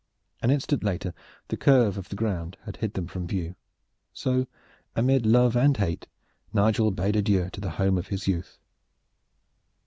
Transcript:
An instant later the curve of the ground had hid them from view. So, amid love and hate, Nigel bade adieu to the home of his youth.